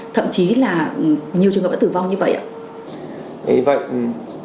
thậm chí là nhiều trường hợp đã tử vong như vậy ạ